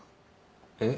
えっ？